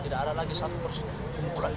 tidak ada lagi satu kumpulan saling menjatuhkan